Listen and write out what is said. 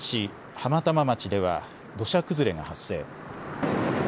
浜玉町では土砂崩れが発生。